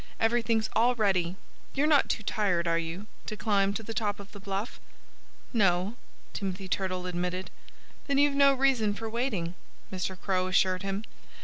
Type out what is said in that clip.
"Everything's all ready. You're not too tired, are you, to climb to the top of the bluff?" "No," Timothy Turtle admitted. "Then you've no reason for waiting," Mr. Crow assured him.